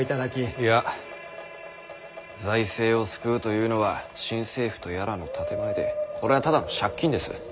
いや財政を救うというのは新政府とやらの建て前でこれはただの借金です。